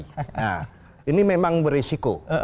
nah ini memang berisiko